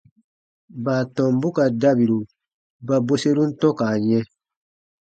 Baatɔmbu ka dabiru ba bweserun tɔ̃ka yɛ̃.